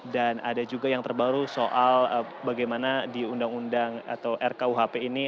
dan ada juga yang terbaru soal bagaimana di undang undang atau rkuhp ini